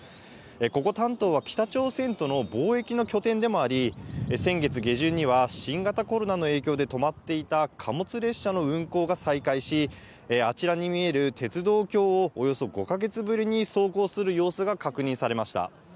ここ丹東は、北朝鮮との貿易の拠点でもあり、先月下旬には、新型コロナの影響で止まっていた貨物列車の運行が再開し、あちらに見える鉄道橋を、およそ５か月ぶりに走行する様子が確認されました。